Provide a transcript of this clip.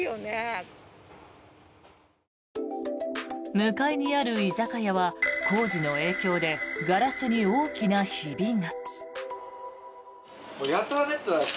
向かいにある居酒屋は工事の影響でガラスに大きなひびが。